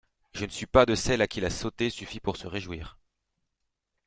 Je ne suis pas de celles à qui la sauté suffit pour se réjouir.